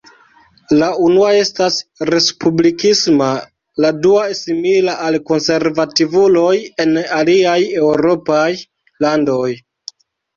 La unua estas respublikisma, la dua simila al konservativuloj en aliaj eŭropaj landoj.